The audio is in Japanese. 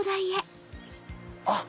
あっ！